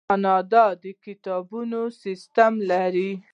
کاناډا د کتابتونونو سیستم لري.